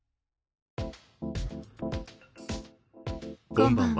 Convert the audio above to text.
こんばんは。